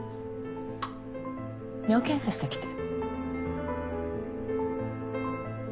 尿検査してきて。